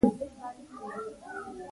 د کورونو بامونه د خنکۍ لپاره غوره ځای ګرځي.